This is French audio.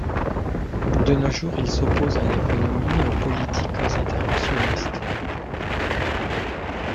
De nos jours il s'oppose en économie aux politiques interventionnistes.